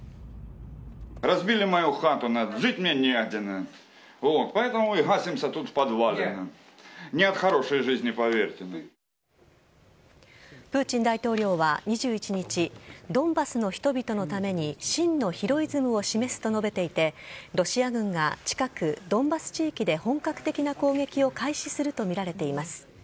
プーチン大統領は２１日ドンバスの人々のために真のヒロイズムを示すと述べていてロシア軍が近くドンバス地域で本格的な攻撃を開始するとみられています。